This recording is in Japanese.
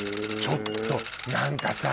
ちょっと何かさ